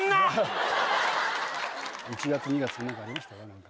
１月２月何かありましたか？